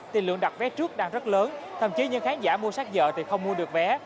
thì lượng đặt vé trước đang rất lớn thậm chí những khán giả mua sát vợ thì không mua được vé